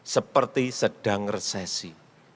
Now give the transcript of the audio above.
seperti sedang resesi